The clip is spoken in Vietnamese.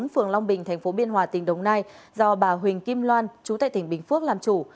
phường long bình tp biên hòa tỉnh đồng nai do bà huỳnh kim loan chú tại tỉnh bình phước làm chủ